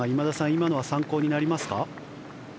今のは参考になりますか？